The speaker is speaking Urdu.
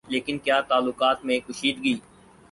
لیکن کیا تعلقات میں کشیدگی